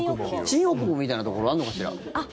新大久保みたいなところあるのかしら？